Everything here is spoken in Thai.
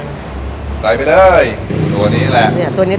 เนี่ยตัวนี้นะ